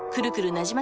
なじま